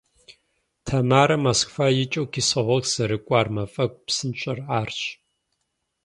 Тамарэ Москва икӏыу Кисловодск зэрыкӏуар мафӏэгу псынщӏэр арщ.